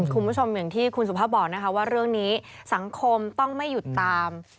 คุณผู้ชมอย่างที่คุณสุภาพบอกนะคะว่าเรื่องนี้สังคมต้องไม่หยุดตาม